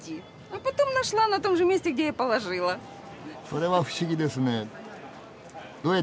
それは不思議ですねえ。